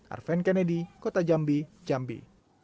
arven kennedy kota jambi jambi